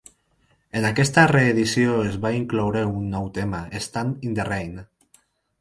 En aquesta reedició es va incloure un nou tema, "Stand in the Rain".